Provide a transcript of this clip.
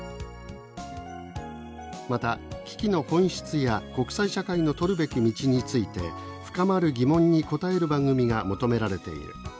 また「危機の本質や国際社会の取るべき道について深まる疑問に答える番組が求められている。